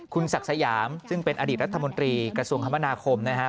คุณศักดิ์สยามซึ่งเป็นอดีตรัฐมนตรีกระทรวงคมนาคมนะครับ